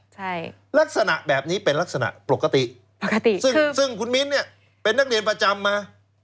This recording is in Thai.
ใช่ลักษณะแบบนี้เป็นลักษณะปกติปกติซึ่งซึ่งคุณมิ้นเนี่ยเป็นนักเรียนประจำมา